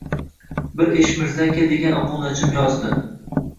Bir Eshmirza aka degan obunachim yozdi: